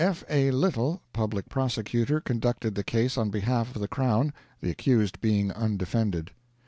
F. A. Little, Public Prosecutor, conducted the case on behalf of the Crown, the accused being undefended.